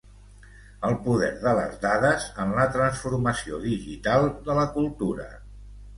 El poder de les dades en la transformació digital de la cultura.